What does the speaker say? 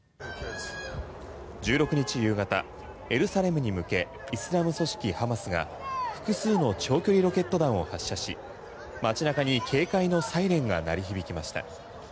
１６日夕方、エルサレムに向けイスラム組織ハマスが複数の長距離ロケット弾を発射し街中に警戒のサイレンが鳴り響きました。